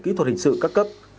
kỹ thuật hình sự các cấp